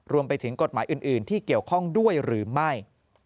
รวมไปถึงกฎหมายอื่นที่เกี่ยวข้องด้วยหรือไม่